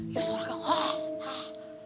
ya seorang gak ngerti